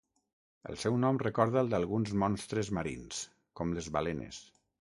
El seu nom recorda el d'alguns monstres marins, com les balenes.